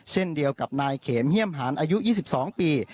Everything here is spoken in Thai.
เช่นเดียวกับนายเขนเฮี่ยมหารอายุ๒๒ปี